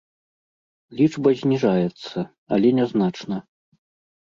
Лічба зніжаецца, але нязначна.